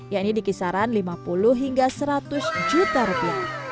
yakni dikisaran lima puluh hingga seratus juta rupiah